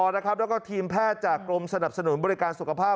แล้วก็ทีมแพทย์จากกรมสนับสนุนบริการสุขภาพ